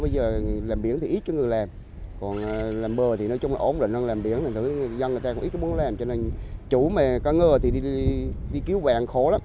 dân người ta cũng ít muốn làm cho nên chủ cá ngư thì đi cứu bạn khó lắm